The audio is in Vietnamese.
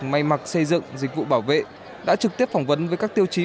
may mặc xây dựng dịch vụ bảo vệ đã trực tiếp phỏng vấn với các tiêu chí